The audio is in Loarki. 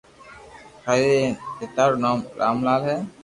ھري ري پيتا رو نوم رام لال ھي